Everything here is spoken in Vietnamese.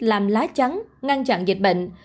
làm lá chắn ngăn chặn dịch bệnh